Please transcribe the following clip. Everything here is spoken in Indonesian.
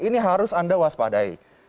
ini harus anda waspadai